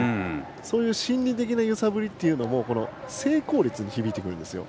そういう心理的な揺さぶりも成功率に響いてくるんですよ。